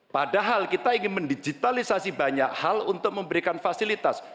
padahal kita ingin mendigitalisasi banyak hal untuk memberikan fasilitas